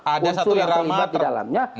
ada satu irama